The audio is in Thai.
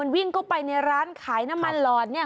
วิ่งเข้าไปในร้านขายน้ำมันหลอดเนี่ย